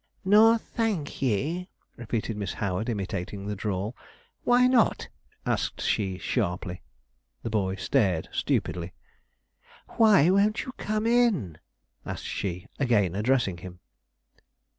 'Nor, thenk ye!' repeated Miss Howard, imitating the drawl. 'Why not?' asked she sharply. The boy stared stupidly. 'Why won't you come in?' asked she, again addressing him.